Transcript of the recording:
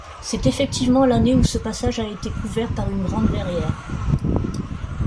C'est effectivement l'année ou ce passage a été couvert par une grande verrière.